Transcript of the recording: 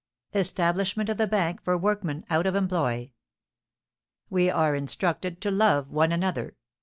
"ESTABLISHMENT OF THE BANK FOR WORKMEN OUT OF EMPLOY. "We are instructed to 'Love one another!'